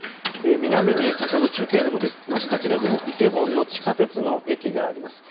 南に、先ほど中継でも出ましたがイテウォンの地下鉄の駅があります。